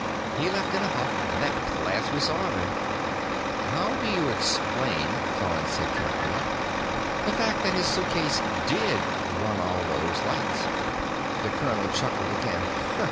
He left in a huff, and that was the last we saw of him." "How do you explain," Thorn said carefully, "the fact that his suitcase did run all those lights?" The colonel chuckled again.